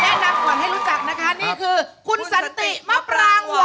แม่นักหวังให้รู้จักนะคะนี่คือคุณสันติมปรางหวาน